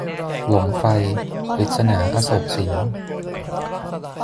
หลงไฟ - กฤษณา อโศกสิน